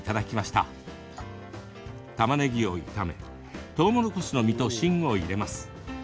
たまねぎを炒めとうもろこしの実と芯を入れます。